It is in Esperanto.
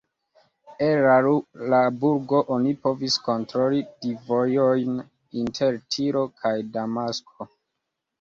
El la burgo oni povis kontroli du vojojn inter Tiro kaj Damasko.